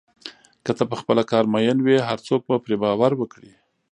که ته په خپل کار مین وې، هر څوک به پرې باور وکړي.